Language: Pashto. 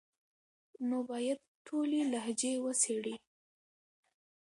نو بايد ټولي لهجې وڅېړي،